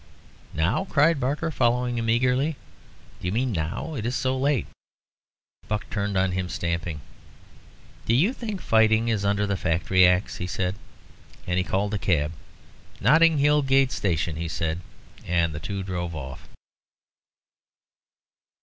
"Now!" cried Barker, following him eagerly. "Do you mean now? It is so late." Buck turned on him, stamping. "Do you think fighting is under the Factory Acts?" he said; and he called a cab. "Notting Hill Gate Station," he said; and the two drove off.